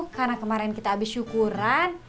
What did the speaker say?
karena kemarin kita abis syukuran